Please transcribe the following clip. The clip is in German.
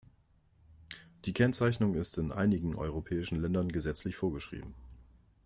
Die Kennzeichnung ist in einigen europäischen Ländern gesetzlich vorgeschrieben.